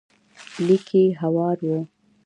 ليکي هوار و.